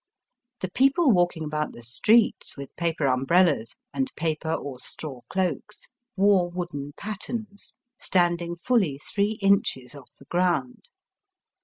The people walking about the streets with paper umbrellas, and paper or straw cloaks, wore wooden pattens, standing fully three inches off the ground.